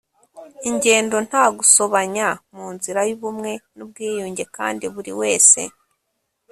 ingendo nta gusobanya mu nzira y ubumwe n ubwiyunge kandi buri wese